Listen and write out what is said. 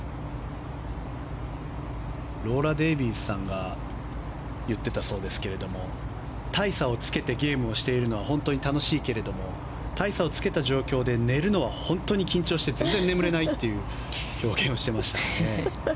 ローラ・デービースさんが言っていたそうですが大差をつけてゲームをしているのは本当に楽しいけれども大差をつけた状況で寝るのは本当に緊張して全然眠れないという表現をしていましたね。